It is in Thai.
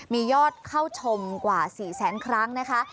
มียอดเข้าชมกว่า๔แสนครั้งนะคะ